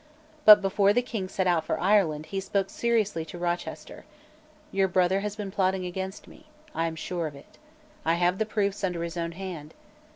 But, before the King set out for Ireland, he spoke seriously to Rochester. "Your brother has been plotting against me. I am sure of it. I have the proofs under his own hand.